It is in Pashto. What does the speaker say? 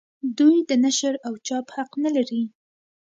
دوی د نشر او چاپ حق نه لري.